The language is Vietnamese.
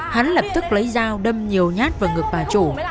hắn lập tức lấy dao đâm nhiều nhát vào ngực bà chủ